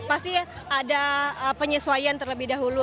ada penyesuaian terlebih dahulu